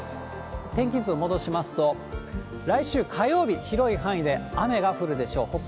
天気図を戻しますと、来週火曜日、広い範囲で雨が降るでしょう。